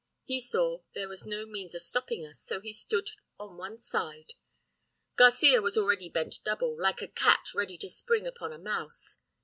He saw there was no means of stopping us, so he stood on one side. Garcia was already bent double, like a cat ready to spring upon a mouse.